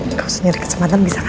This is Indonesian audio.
engkau sendiri kecepatan bisa kan